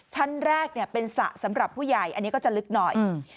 ชั้นแรกเนี่ยเป็นสระสำหรับผู้ใหญ่อันนี้ก็จะลึกหน่อย